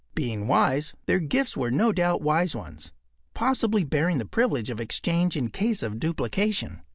Being wise, their gifts were no doubt wise ones, possibly bearing the privilege of exchange in case of duplication.